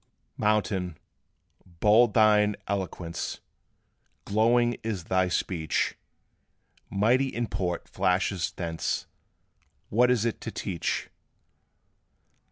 Mountain, bold thine eloquence Glowing is thy speech; Mighty import flashes thence; What is it to teach?